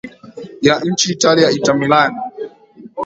ya nchini italia inter millan